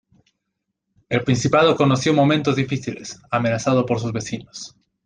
El principado conoció momentos difíciles, amenazado por sus vecinos.